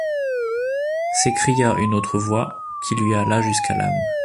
s’écria une autre voix, qui lui alla jusqu’à l’âme.